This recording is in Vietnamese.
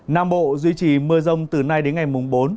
nam bộ duy trì mưa rông từ nay đến ngày mùng bốn